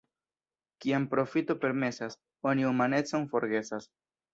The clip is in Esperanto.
Kiam profito permesas, oni humanecon forgesas.